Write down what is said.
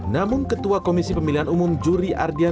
namun ketua komisi pemilihan umum juri ardian